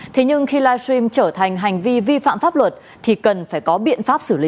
thế nhưng khi livestream trở thành hành vi vi phạm pháp luật thì cần phải có biện pháp xử lý